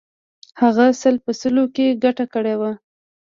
هغه سل په سلو کې ګټه کړې وه.